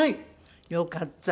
よかったね。